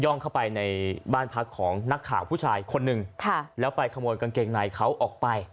เข้าไปในบ้านพักของนักข่าวผู้ชายคนหนึ่งแล้วไปขโมยกางเกงในเขาออกไป